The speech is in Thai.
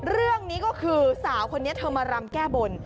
เรื่องนี้ก็คือสาวคนนี้เธอมารำแก้บน